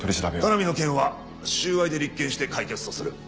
田波の件は収賄で立件して解決とする。